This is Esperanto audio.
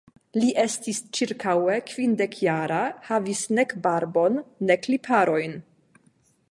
Li estis ĉirkaŭe kvindekjara, havis nek barbon nek lipharojn.